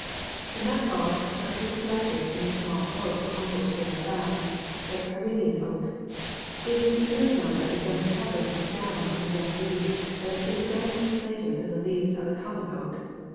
The nut galls are carefully collected from the small oak on which they are found, the Pyreneean oak. It is easily known by the dense covering of down on the young leaves, that appear some weeks later than the leaves of the common oak.